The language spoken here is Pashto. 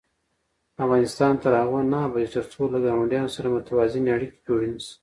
افغانستان تر هغو نه ابادیږي، ترڅو له ګاونډیانو سره متوازنې اړیکې جوړې نشي.